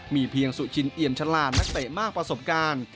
มีเพียงสุชินเอี่ยมฉลาดนักเตะมากประสบการณ์